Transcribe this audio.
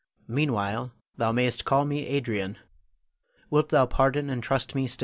Meanwhile, thou mayst call me Adrian. Wilt thou pardon and trust me still?